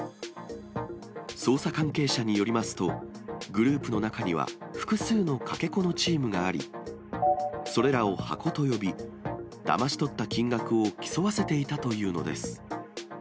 捜査関係者によりますと、グループの中には複数のかけ子のチームがあり、それらを箱と呼び、だまし取った金額を競わせていたというのです。